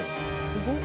すごっ。